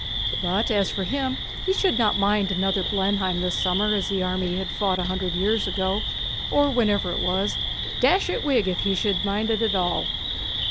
But as for him, he should not mind such another Blenheim this summer as the army had fought a hundred years ago, or whenever it was dash his wig if he should mind it at all.